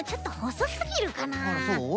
そう？